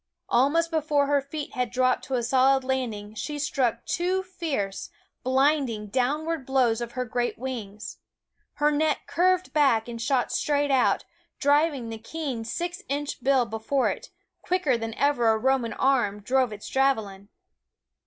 Almost before her feet had dropped to a solid landing she struck two fierce, blinding, downward blows of her great wings. Her neck curved back and shot straight out, driving the keen six inch bill before it, quicker than ever a Roman arm drove its javelin.